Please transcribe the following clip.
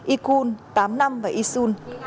y khun tám năm và y sun